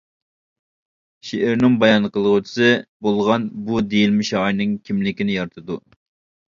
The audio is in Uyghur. شېئىرنىڭ بايان قىلغۇچىسى بولغان بۇ دېيىلمە شائىرنىڭ كىملىكىنى يارىتىدۇ.